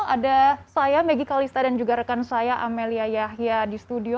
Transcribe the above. ada saya megi kalista dan juga rekan saya amelia yahya di studio